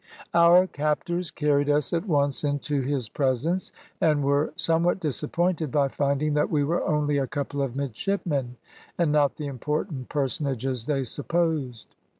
Our captors carried us at once into his presence, and were somewhat disappointed by finding that we were only a couple of midshipmen, and not the important personages they supposed.